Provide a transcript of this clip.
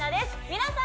皆さん